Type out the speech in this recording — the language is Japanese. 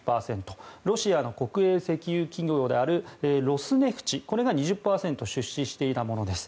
ロシアの国営石油企業であるロスネフチが２０％出資していたものです。